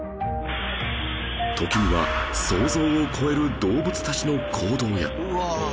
時には想像を超える動物たちの行動や